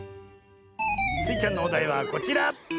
スイちゃんのおだいはこちら！